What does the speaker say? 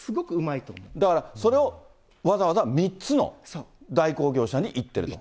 だからそれをわざわざ３つの代行業者にいってると。